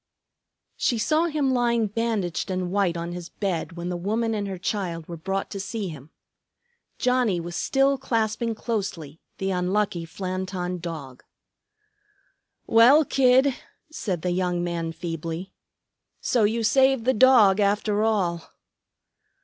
She saw him lying bandaged and white on his bed when the woman and her child were brought to see him. Johnnie was still clasping closely the unlucky Flanton Dog. "Well, Kid," said the young man feebly, "so you saved the dog, after all."